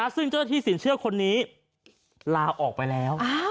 ซึ่งเจ้าหน้าที่สินเชื่อคนนี้ลาออกไปแล้ว